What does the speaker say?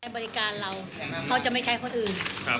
บริการเราเขาจะไม่ใช้คนอื่น